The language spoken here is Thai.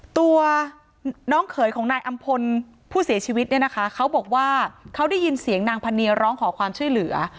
ตัวน้องเขยของนายอำพลผู้เสียชีวิตเนี่ยนะคะเขาบอกว่าเขาได้ยินเสียงนางพะเนียร้องขอความช่วยเหลือ